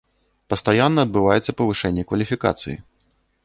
Пастаянна адбываецца павышэнне кваліфікацыі.